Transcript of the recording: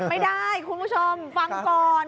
ไม่ได้คุณผู้ชมฟังก่อน